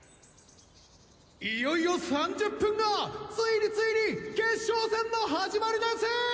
いよいよ３０分後ついについに決勝戦の始まりです！